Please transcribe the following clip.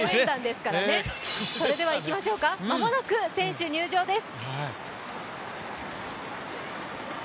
それではいきましょうか、間もなく選手入場です。